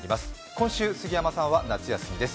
今週、杉山さんは夏休みです。